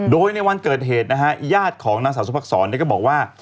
โดยในวันเกิดเหตุนะฮะญาติของนางสาวสุภักษรก็บอกว่า